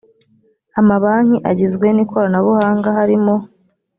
amabanki agizwe n ikoranabuhanga harimo